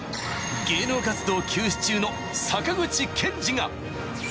芸能活動休止中の坂口憲二が。